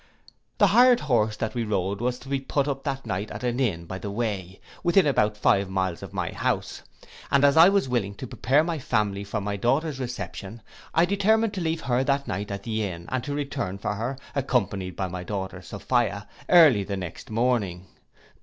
The hired horse that we rode was to be put up that night at an inn by the way, within about five miles from my house, and as I was willing to prepare my family for my daughter's reception, I determined to leave her that night at the inn, and to return for her, accompanied by my daughter Sophia, early the next morning.